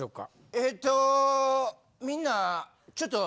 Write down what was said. えっとみんなちょっと。